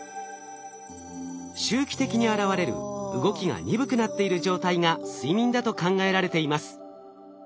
周期的に現れる動きが鈍くなっている状態が睡眠だと考えられています。